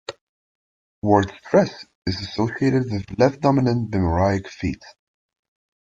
Word stress is associated with left-dominant bimoraic feet.